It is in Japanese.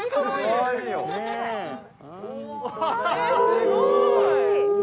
すごーい！